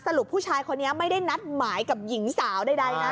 ผู้ชายคนนี้ไม่ได้นัดหมายกับหญิงสาวใดนะ